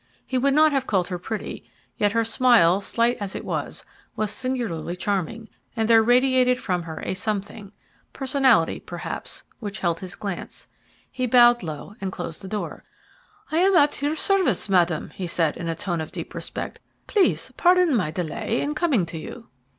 He would not have called her pretty, yet her smile, slight as it was, was singularly charming, and there radiated from her a something personality, perhaps which held his glance. He bowed low, and closed the door. "I am at your service, Madam," he said in a tone of deep respect. "Please pardon my delay in coming to you."